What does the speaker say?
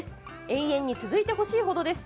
永遠に続いてほしい程です。